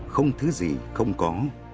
không thứ gì không có